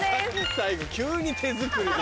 最後急に手作りで。